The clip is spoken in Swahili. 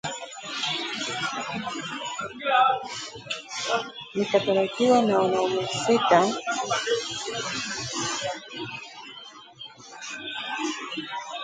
Nikatalikiwa na waume watatu na kurudi nyumbani na wana sita